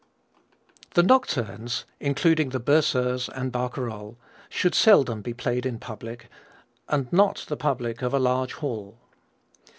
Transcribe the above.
The nocturnes including the Berceuse and Barcarolle should seldom be played in public and not the public of a large hall.